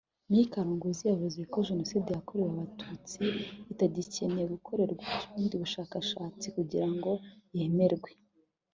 Me Karongozi yavuze ko Jenoside yakorewe Abatutsi itagikeneye gukorerwa ubundi bushakashatsi kugira ngo yemerwe